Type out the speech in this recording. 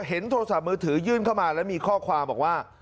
โทรศัพท์มือถือยื่นเข้ามาแล้วมีข้อความบอกว่า